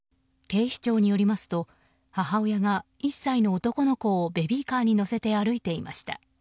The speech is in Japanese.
警視庁によりますと母親が１歳の男の子をベビーカーに乗せて歩いていました。